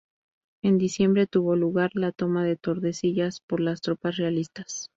En diciembre tuvo lugar la toma de Tordesillas por las tropas realistas.